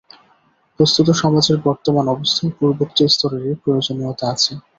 বস্তুত সমাজের বর্তমান অবস্থায় পূর্বোক্ত স্তরেরই প্রয়োজনীয়তা আছে।